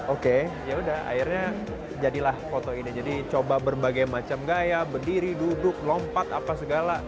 oke yaudah akhirnya jadilah foto ini jadi coba berbagai macam gaya berdiri duduk lompat apa segala